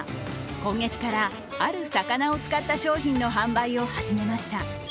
今月からある魚を使った商品の販売を始めました。